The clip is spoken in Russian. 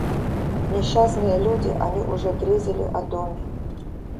Несчастные люди, они уже грезили о доме.